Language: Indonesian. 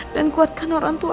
dan kuatkan orangtuaku